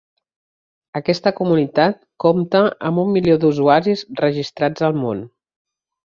Aquesta comunitat compta amb un milió d'usuaris registrats al món.